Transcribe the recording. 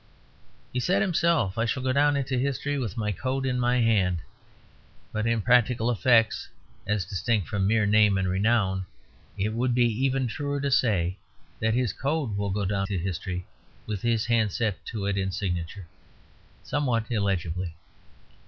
He said himself, "I shall go down to history with my code in my hand;" but in practical effects, as distinct from mere name and renown, it would be even truer to say that his code will go down to history with his hand set to it in signature somewhat illegibly.